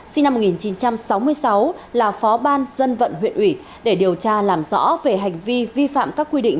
sinh năm một nghìn chín trăm sáu mươi sáu là phó ban dân vận huyện ủy để điều tra làm rõ về hành vi vi phạm các quy định